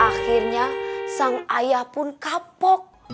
akhirnya sang ayah pun kapok